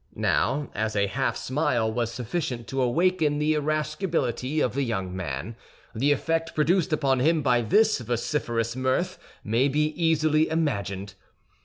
Now, as a half smile was sufficient to awaken the irascibility of the young man, the effect produced upon him by this vociferous mirth may be easily imagined.